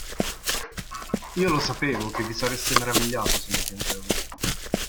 Io lo sapevo, che vi sareste meravigliato se non piangevo.